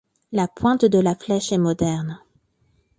La pointe de la flèche est moderne.